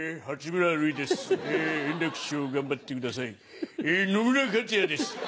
八村塁です。